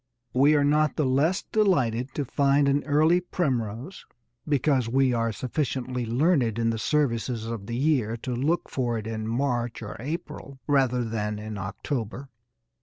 We are not the less delighted to find an early primrose because we are sufficiently learned in the services of the year to look for it in March or April rather than in October.